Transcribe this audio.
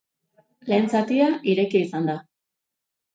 Lehen zatia irekia izan da.